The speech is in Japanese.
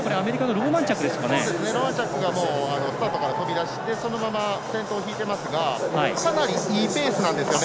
ローマンチャックがスタートから飛び出してそのまま先頭引いていますがかなりいいペースなんですよね。